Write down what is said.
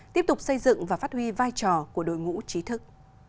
tiếp tục xây dựng và phát huy vai trò của đội ngũ trí thức